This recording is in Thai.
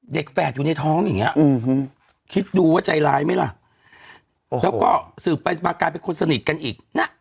แฝดอยู่ในท้องอย่างนี้คิดดูว่าใจร้ายไหมล่ะแล้วก็สืบไปสืบมากลายเป็นคนสนิทกันอีกนะ